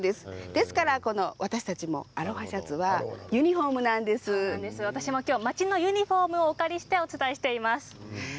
ですから私たちもアロハシャツが私もその町のユニフォームをお借りしてお伝えしています。